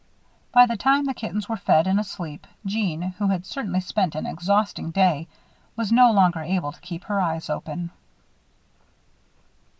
By the time the kittens were fed and asleep, Jeanne, who had certainly spent an exhausting day, was no longer able to keep her eyes open.